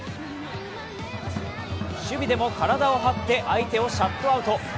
守備でも体を張って、相手をシャットアウト。